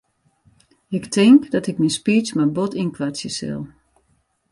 Ik tink dat ik myn speech mar bot ynkoartsje sil.